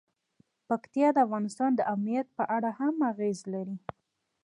پکتیا د افغانستان د امنیت په اړه هم اغېز لري.